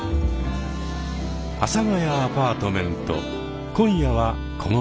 「阿佐ヶ谷アパートメント」今夜はこの辺で。